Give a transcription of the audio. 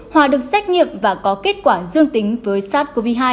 hòa được xét nghiệm và có kết quả dương tính với sars cov hai